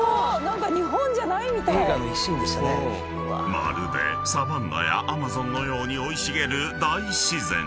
［まるでサバンナやアマゾンのように生い茂る大自然］